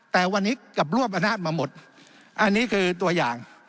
แต่วันนี้กลับรวบอำนาจมาหมดอันนี้คือตัวอย่าง